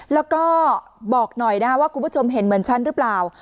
แล้วก็บอกหน่อยนะว่าคุณผู้ชมเห็นเหมือนฉันหรือเปล่า